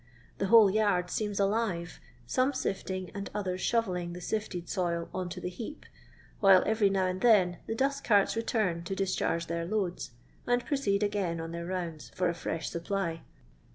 The whole yard seems alive, some sifting and others shovelling the sifted soil on to the heap, while every now and then the dust ' carts return to discharge their loads, and pro ceed again on their rounds for a fresh supply.